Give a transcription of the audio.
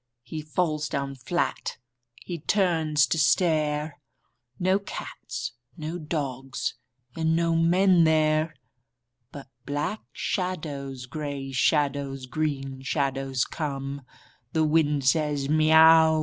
He falls down flat. H)e turns to stare — No cats, no dogs, and no men there. But black shadows, grey shadows, green shadows come. The wind says, " Miau !